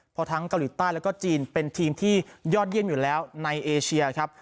เพราะทั้งเกาหลีใต้แล้วก็จีนเป็นทีมที่ยอดเยี่ยมอยู่แล้วในเอเชียครับ